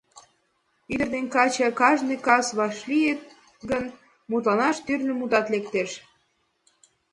Ӱдыр ден каче кажне кас вашлийыт гын, мутланаш тӱрлӧ мутат лектеш.